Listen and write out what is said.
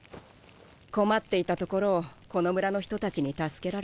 困っていたところをこの村の人たちに助けられた。